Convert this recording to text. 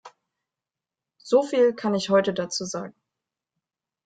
Soviel kann ich heute dazu sagen.